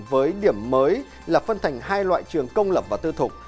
với điểm mới là phân thành hai loại trường công lập và tư thục